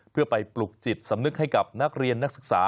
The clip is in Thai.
เพื่อไปปลุกจิตสำนึกให้กับนักเรียนนักศึกษา